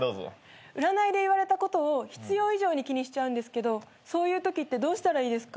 占いで言われたことを必要以上に気にしちゃうんですけどそういうときってどうしたらいいですか？